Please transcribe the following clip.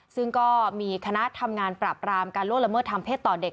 ซึ่งก็มีคณะทำงานปราบรามการล่วงละเมิดทางเพศต่อเด็ก